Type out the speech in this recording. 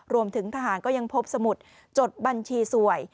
รวมถึงทหารก็ยังพบสมุดจดบัญชีสวย